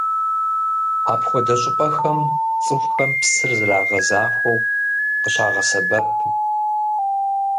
Апхуэдэ щӀыпӀэхэм цӀыхухэм псыр зрагъэзахуэу къыщагъэсэбэп.